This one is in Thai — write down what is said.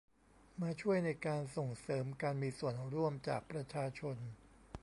มาช่วยในการส่งเสริมการมีส่วนร่วมจากประชาชน